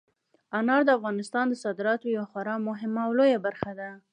انار د افغانستان د صادراتو یوه خورا مهمه او لویه برخه ده.